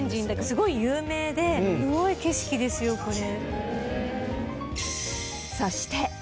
すごい有名ですごい景色ですよ、これ。